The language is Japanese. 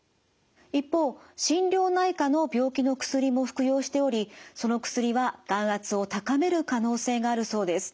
一方心療内科の病気の薬も服用しておりその薬は眼圧を高める可能性があるそうです。